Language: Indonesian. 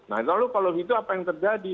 nah lalu kalau gitu apa yang terjadi